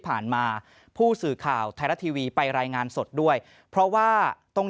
มาผู้สื่อข่าวไทยรัฐทีวีไปรายงานสดด้วยเพราะว่าตรง